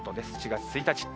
７月１日。